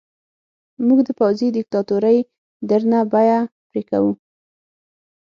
موږ د پوځي دیکتاتورۍ درنه بیه پرې کوو.